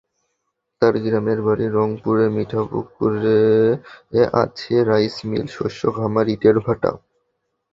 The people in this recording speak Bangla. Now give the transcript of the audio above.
তার গ্রামের বাড়ি রংপুরের মিঠাপুকুরে আছে রাইস মিল, মৎস্য খামার, ইটের ভাটা।